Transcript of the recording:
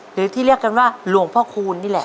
หรือที่เรียกกันว่าหลวงพ่อคูณนี่แหละ